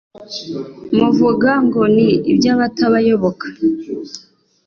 muvuga ngo ni iby'abatabayoboka